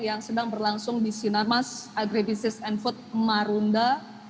yang sedang berlangsung di sinarmas agribisis and food marunda